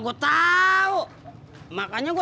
kita jalan ke sana dulu